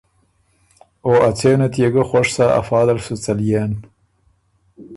او ا څېنه تيې ګه خوش سَۀ، افا دل سُو څليېن۔